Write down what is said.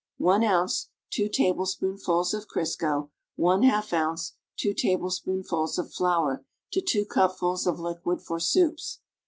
1 ounce (2 tablespoonfuls) of Crisco, yi ounce (2 tablespoonfuls) of flour to 2 cupfuls of liquid for soups.